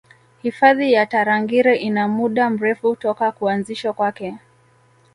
Hifadhi ya Tarangire ina muda mrefu toka kuanzishwa kwake